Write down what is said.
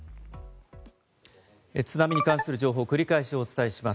津波に関する情報を繰り返しお伝えします。